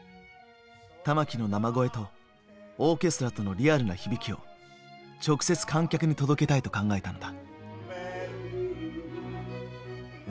玉置の生声とオーケストラとのリアルな響きを直接観客に届けたいと考えたのだ。